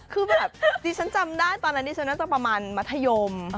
คือแบบที่ฉันจำได้ตอนนั้นฉันก็จนเป็นประมาณมัธยม